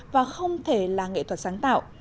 và không thể là nghệ thuật sáng tạo